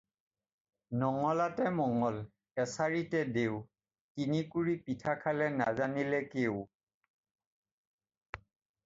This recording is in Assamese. নঙলাতে মঙল, এছাৰিতে দেও, তিনিকুৰি পিঠা খালে নাজানিলে কেও।